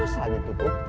masa gitu tuh